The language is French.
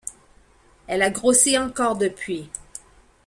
Elle a grossi encore depuis.